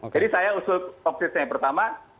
jadi saya usul konkretnya yang pertama